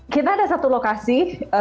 kita ada satu lokasi